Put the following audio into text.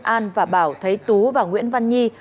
an và bảo thấy tú và nguyễn văn nhi